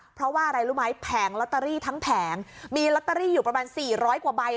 เพราะว่าอะไรรู้ไหมแผงลอตเตอรี่ทั้งแผงมีลอตเตอรี่อยู่ประมาณ๔๐๐กว่าใบ